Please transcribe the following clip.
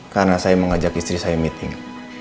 karena saya mengajak istri saya meeting